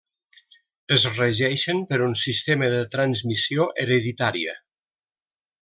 Es regeixen per un sistema de transmissió hereditària.